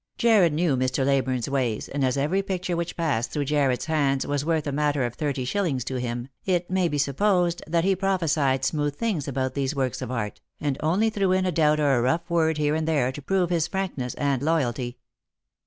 Jarred knew Mr. Leyburne's ways, and as every picture which passed through Jarred' s hands was worth a matter of thirty shillings to him, it may be supposed that he prophesied smooth things about these works of art, and only threw in a doubt or a rough word here and there to prove his frankness and loyalty.